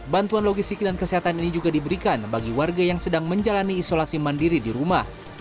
bantuan logistik dan kesehatan ini juga diberikan bagi warga yang sedang menjalani isolasi mandiri di rumah